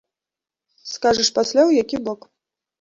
Скажаш пасля ў які бок.